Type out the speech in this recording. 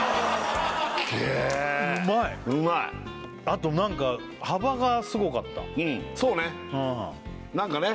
あと何か幅がすごかったそうね